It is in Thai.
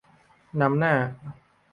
นำหน้า